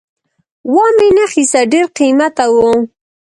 وامې نه خیسته ډېر قیمته وو